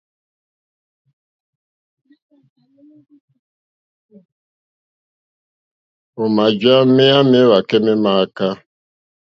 Ò màjǎ méyá méwàkɛ́ mé mááká.